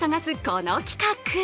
この企画。